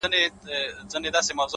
o تاسو په درد مه كوئ؛